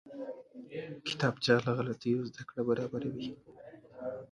کتابچه له غلطیو زده کړه برابروي